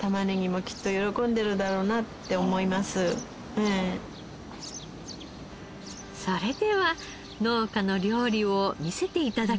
やっぱりそれでは農家の料理を見せて頂きましょう。